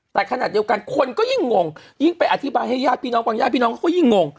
แต่ขณะเดียวกันคนก็ยิ่งงงยิ่งไปอธิบายให้ญาติพี่น้องฟังญาติพี่น้องเขาก็ยิ่งงง